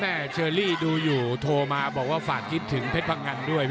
เชอรี่ดูอยู่โทรมาบอกว่าฝากคิดถึงเพชรพังงันด้วย